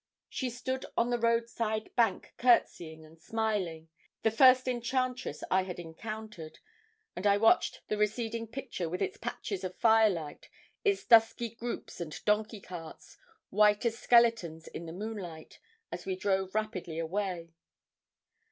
She stood on the road side bank courtseying and smiling, the first enchantress I had encountered, and I watched the receding picture, with its patches of firelight, its dusky groups and donkey carts, white as skeletons in the moonlight, as we drove rapidly away.